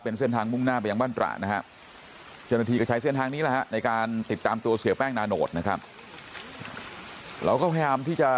เป็นเส้นทางมุ่งหน้าไปยังบ้านตรานะฮะเจ้าหน้าที่ก็ใช้เส้นทางนี้แหละฮะ